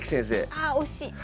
ああ惜しい！